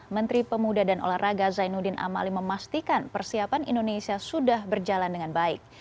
menteri pemuda dan olahraga zainuddin amali memastikan persiapan indonesia sudah berjalan dengan baik